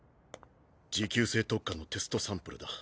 持久性特化のテストサンプルだ。